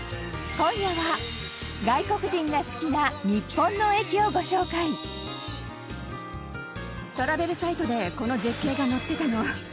今夜は、外国人が好きな日本の駅をご紹介トラベルサイトでこの絶景が載ってたの。